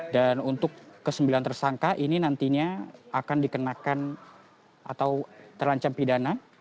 dan untuk ke sembilan tersangka ini nantinya akan dikenakan atau terlancam pidana